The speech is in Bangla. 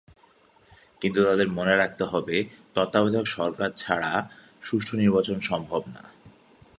কিন্তু তাদের মনে রাখতে হবে তত্ত্বাবধায়ক সরকার ছাড়া সুষ্ঠু নির্বাচন সম্ভব নয়।